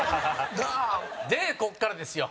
で、ここからですよ。